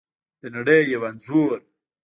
د نړۍ یو انځور